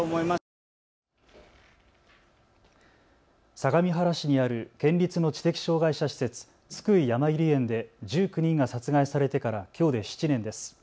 相模原市にある県立の知的障害者施設津久井やまゆり園で１９人が殺害されてからきょうで７年です。